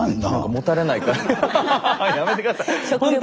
もたれないくらい。